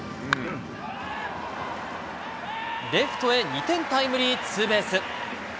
レフトへ２点タイムリーツーベース。